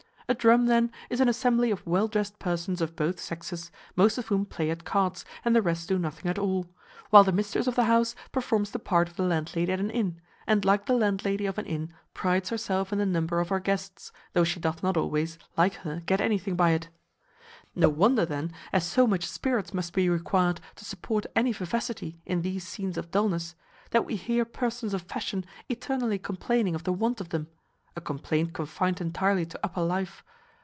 A drum, then, is an assembly of well dressed persons of both sexes, most of whom play at cards, and the rest do nothing at all; while the mistress of the house performs the part of the landlady at an inn, and like the landlady of an inn prides herself in the number of her guests, though she doth not always, like her, get anything by it. No wonder then, as so much spirits must be required to support any vivacity in these scenes of dulness, that we hear persons of fashion eternally complaining of the want of them; a complaint confined entirely to upper life.